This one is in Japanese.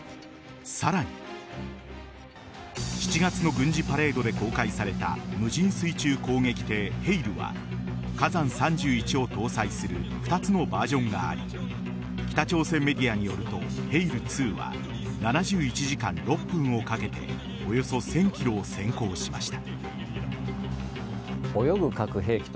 さらに７月の軍事パレードで公開された無人水中攻撃艇「ヘイル」は火山３１を搭載する２つのバージョンがあり北朝鮮メディアによると「ヘイル２」は７１時間６分をかけておよそ１０００ｋｍを潜航しました。